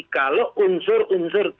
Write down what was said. kalau unsur unsur tindak pidana tersebut